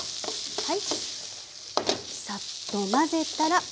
はい。